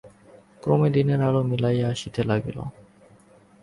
ক্রমে দিনের আলো মিলাইয়া আসিতে লাগিল।